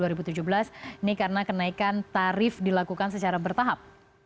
ini karena kenaikan tarif dilakukan secara bertahap